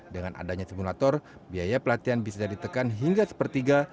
dengan adanya simulator biaya pelatihan bisa ditekan hingga sepertiga